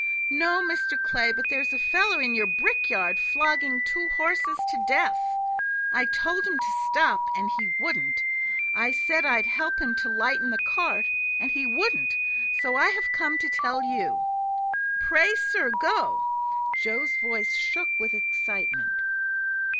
"No, Mr. Clay, but there's a fellow in your brick yard flogging two horses to death. I told him to stop, and he wouldn't; I said I'd help him to lighten the cart, and he wouldn't; so I have come to tell you. Pray, sir, go." Joe's voice shook with excitement.